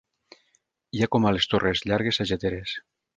Hi ha com a les torres, llargues sageteres.